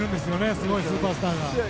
すごいスーパースターが。